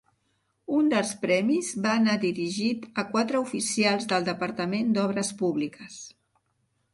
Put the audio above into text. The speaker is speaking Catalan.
Un dels premis va anar dirigit a quatre oficials del Departament d'Obres Públiques.